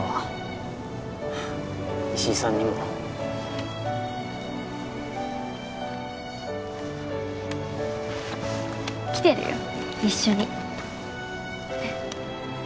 石井さんにも。来てるよ一緒に。